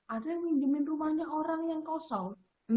ada yang minjemin rumahnya orang yang kosong